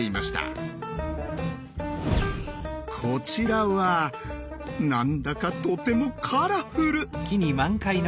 こちらは何だかとてもカラフル！